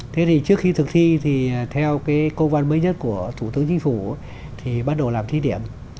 thế thì trước khi thực thi thì theo cái công văn mới nhất của thủ tướng chính phủ thì bắt đầu làm thí điểm